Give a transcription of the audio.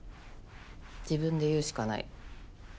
自分で言うしかない。